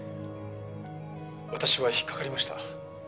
「私は引っかかりました」